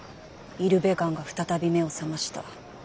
イルベガンが再び目を覚ました。